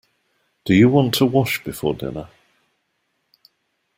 Do you want to wash before dinner?